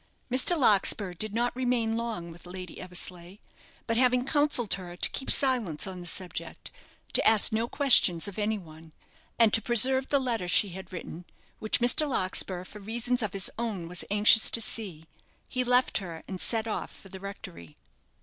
Mr. Larkspur did not remain long with Lady Eversleigh; but having counselled her to keep silence on the subject, to ask no questions of any one, and to preserve the letter she had written, which Mr. Larkspur, for reasons of his own, was anxious to see, he left her, and set off for the rectory.